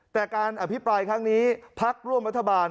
แต่การอภิปรายครั้งนี้พักร่วมรัฐบาล